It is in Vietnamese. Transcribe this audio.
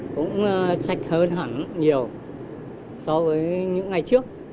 cũng sạch hơn hẳn nhiều so với những ngày trước